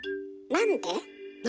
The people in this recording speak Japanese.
なんで？